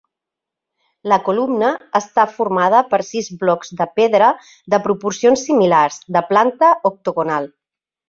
La columna està formada per sis blocs de pedra, de proporcions similars, de planta octogonal.